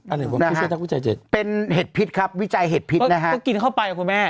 อะไรวะไม่ใช่นักวิจัยเจ็ดเป็นเห็ดพิษครับวิจัยเห็ดพิษนะฮะก็กินเข้าไปคุณแม่